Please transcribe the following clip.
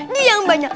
dia yang banyak